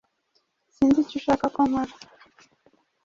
Sinzi icyo ushaka ko nkora.